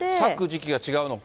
咲く時期が違うのか。